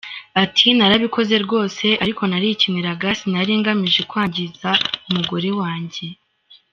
Ati: “Narabikoze rwose ariko narikiniraga sinari ngamije kwangiza umugore wanjye.